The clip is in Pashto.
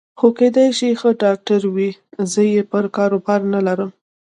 خو کېدای شي ښه ډاکټر وي، زه یې پر کار باور نه لرم.